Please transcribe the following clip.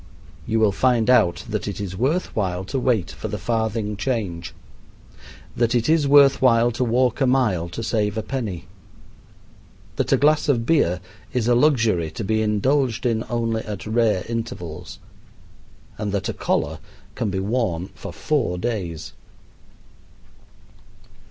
You will find out that it is worth while to wait for the farthing change, that it is worth while to walk a mile to save a penny, that a glass of beer is a luxury to be indulged in only at rare intervals, and that a collar can be worn for four days.